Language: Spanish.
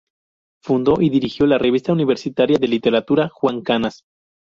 Fundó y dirigió la revista universitaria de literatura "Juan Canas".